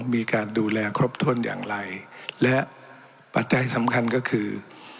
มีการดูแลครบถ้วนอย่างไรและปัจจัยสำคัญก็คือ